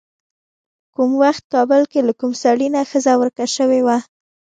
کوم وخت کابل کې له کوم سړي نه ښځه ورکه شوې وه.